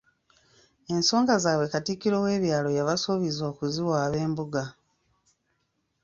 Ensonga zaabwe Katikkiro w'ebyalo yabasuubizza okuziwaaba Embuga.